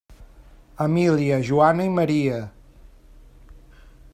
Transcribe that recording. Emília, Joana i Maria.